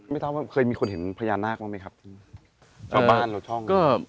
ไม่ท้าวว่าเคยมีคนเห็นพญานาคว่าไหมครับช่องบ้านหรือช่อง